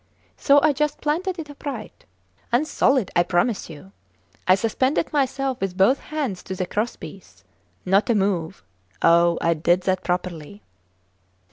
So I just planted it upright. And solid, I promise you! I suspended myself with both hands to the cross piece. Not a move. Oh, I did that properly.